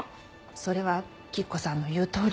それは吉子さんの言うとおり。